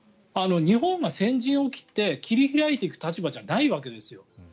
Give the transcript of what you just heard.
日本が先陣を切って切り開いていく立場じゃないわけですよ。